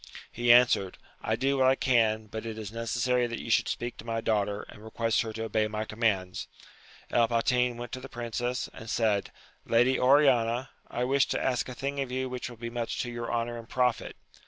He answered, I do what I can, but it is necessary that you should speak to my daughter, and request her to obey my commands. El Patin went to the princess, and said,^ Lady Oriana^ I wish to ask a thing of you which will be much to your honour and profit.